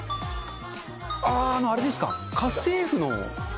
ああ、あれですか。